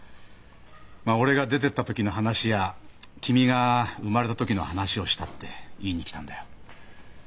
まあ俺が出てった時の話や君が生まれた時の話をしたって言いに来たんだよ。